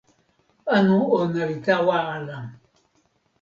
anu ona li tawa ala.